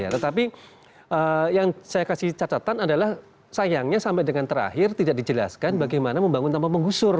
tetapi yang saya kasih catatan adalah sayangnya sampai dengan terakhir tidak dijelaskan bagaimana membangun tanpa menggusur